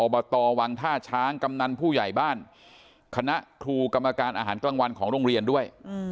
บตวังท่าช้างกำนันผู้ใหญ่บ้านคณะครูกรรมการอาหารกลางวันของโรงเรียนด้วย